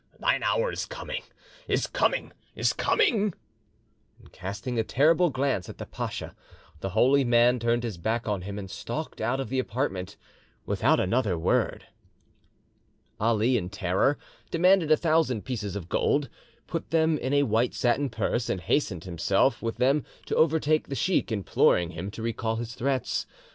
Thine hour is coming—is coming—is coming!" Casting a terrible glance at the pacha, the holy man turned his back on him, and stalked out of the apartment without another word. Ali, in terror, demanded a thousand pieces of gold, put them in a white satin purse, and himself hastened with them to overtake the sheik, imploring him to recall his threats.